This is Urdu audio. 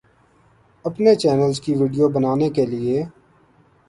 اپنے چینلز کی ویڈیو بنانے کے لیے